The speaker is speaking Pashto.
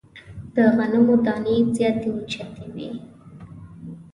د غنمو دانې زیاتي او کوچنۍ وې.